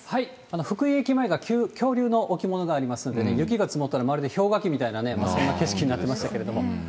福井駅前が恐竜の置物がありますのでね、雪が積もったら、まるで氷河期みたいなね、そんな景色になってましたけれども。